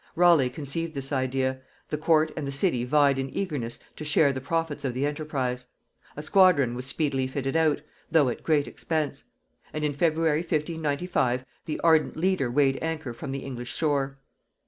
Raleigh conceived this idea; the court and the city vied in eagerness to share the profits of the enterprise; a squadron was speedily fitted out, though at great expense; and in February 1595 the ardent leader weighed anchor from the English shore.